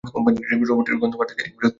রোবটের গ্রন্থপাঠ দেখা এক বিরক্তিকর ব্যাপার।